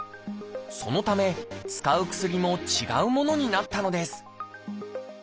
そのため使う薬も違うものになったのです